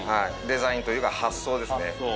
デザインというか発想です。